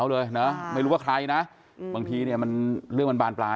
เดี๋ยวพี่ปูเสื่อ